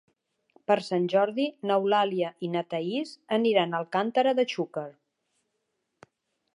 Per Sant Jordi n'Eulàlia i na Thaís aniran a Alcàntera de Xúquer.